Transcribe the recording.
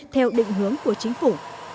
theo định hướng của chính phủ